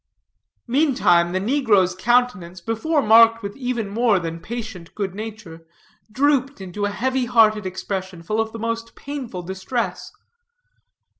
Meantime, the negro's countenance, before marked with even more than patient good nature, drooped into a heavy hearted expression, full of the most painful distress.